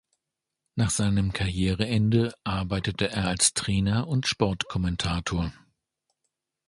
Nach seinem Karriereende arbeitete er als Trainer und Sportkommentator.